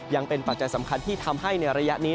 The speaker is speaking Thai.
ยังเป็นปัจจัยสำคัญที่ทำให้ในระยะนี้